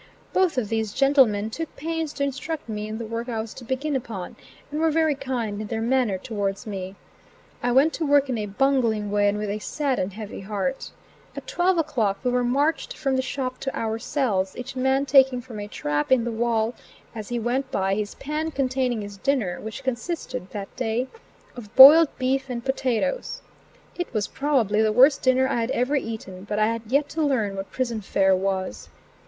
Both of these gentlemen took pains to instruct me in the work I was to begin upon, and were very kind in their manner towards me. I went to work in a bungling way and with a sad and heavy heart. At 12 o'clock we were marched from the shop to our cells, each man taking from a trap in the wall, as he went by, his pan containing his dinner, which consisted, that day, of boiled beef and potatoes. It was probably the worst dinner I had ever eaten, but I had yet to learn what prison fare was.